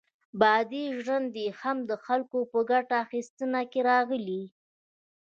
بادي ژرندې هم د خلکو په ګټه اخیستنه کې راغلې.